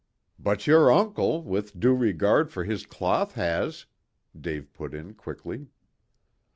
"But your uncle, with due regard for his cloth, has," Dave put in quickly.